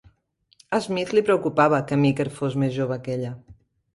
A Smith li preocupava que Meeker fos més jove que ella.